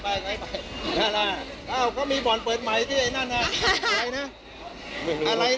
อ้าวก็มีบ่อนเปิดใหม่ที่ไอ้นั่นนะ